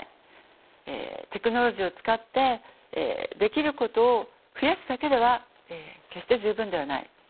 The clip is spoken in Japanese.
テクノロジーを使ってできることを増やすだけでは決して十分ではない。